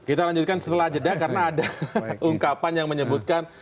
kita lanjutkan setelah jeda karena ada ungkapan yang menyebutkan